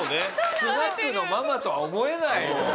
スナックのママとは思えないよ。